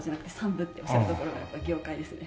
分っておっしゃるところが業界ですね。